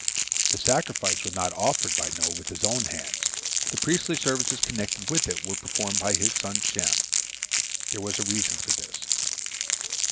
The sacrifice was not offered by Noah with his own hands; the priestly services connected with it were performed by his son Shem. There was a reason for this.